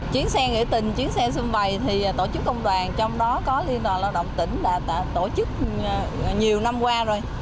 chuyến xe nghỉ tình chuyến xe xung bày thì tổ chức công đoàn trong đó có liên toàn lao động tỉnh đã tổ chức nhiều năm qua rồi